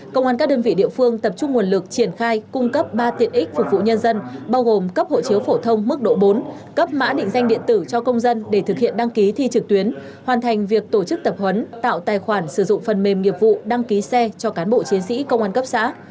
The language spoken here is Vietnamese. công an các đơn vị địa phương tập trung nguồn lực triển khai cung cấp ba tiện ích phục vụ nhân dân bao gồm cấp hộ chiếu phổ thông mức độ bốn cấp mã định danh điện tử cho công dân để thực hiện đăng ký thi trực tuyến hoàn thành việc tổ chức tập huấn tạo tài khoản sử dụng phần mềm nghiệp vụ đăng ký xe cho cán bộ chiến sĩ công an cấp xã